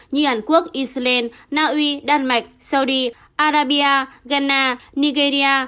như hàn quốc israel naui đan mạch saudi arabia ghana nigeria